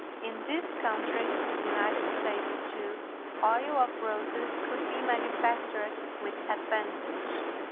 In this country (U. S.), too, oil of roses could be manufactured with advantage.